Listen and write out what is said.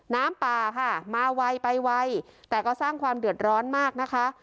น้ำป่าค่ะมาไวไปไวแต่ก็สร้างความเดือดร้อนมากนะคะ